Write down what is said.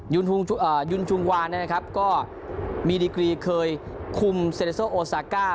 ยุนชุงวานนะครับก็มีดีกรีเคยคุมเซเลโซโอซาก้า